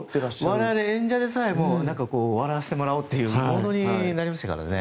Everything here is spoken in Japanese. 我々、演者でさえも笑わせてもらおうというふうになりましたからね。